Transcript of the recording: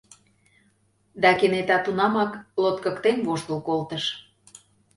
— Да кенета тунамак лоткыктен воштыл колтыш.